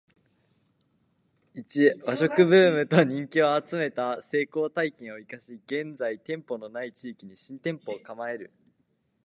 ⅰ 和食ブームと人気を集めた成功体験を活かし現在店舗の無い地域に新店舗を構える